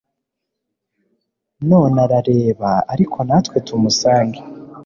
none arareba ariko natwe tumusange